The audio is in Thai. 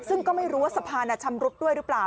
ซึ่งก็ไม่รู้ว่าสะพานชำรุดด้วยหรือเปล่า